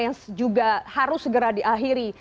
yang juga harus segera diakhiri